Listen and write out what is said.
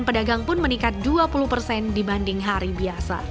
dan pedagang pun meningkat dua puluh persen dibanding hari biasa